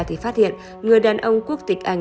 thì phát hiện người đàn ông quốc tịch anh